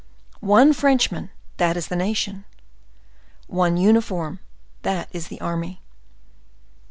One Frenchman, that is the nation; one uniform, that is the army.